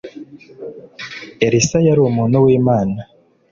elisa yari umuntu w'imana